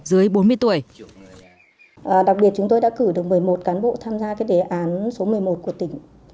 đặc biệt chúng tôi đã cử được một mươi một cán bộ tham gia đề án số một mươi một của tỉnh